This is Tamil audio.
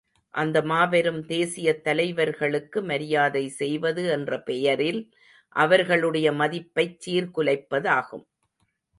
அந்த மாபெரும் தேசியத் தலைவர்களுக்கு மரியாதை செய்வது என்ற பெயரில் அவர்களுடைய மதிப்பைச் சீர்குலைப்பதாகும்.